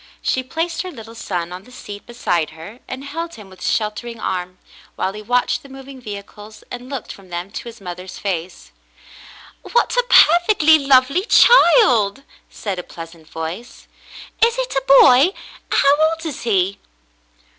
She placed her little son on the seat beside her and held him with sheltering arm, while he watched the moving vehicles and looked from them to his mother's face. "What a perfectly lovely child !" said a pleasant voice. "Is it a boy.? How old is he.?"